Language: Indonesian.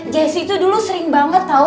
jessy tuh dulu sering banget tau